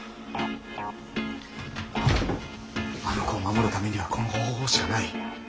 あの子を守るためにはこの方法しかない。